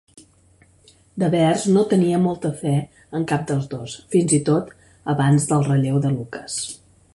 Devers no tenia molta fe en cap dels dos, fins i tot abans del relleu de Lucas.